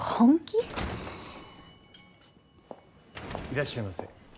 いらっしゃいませ。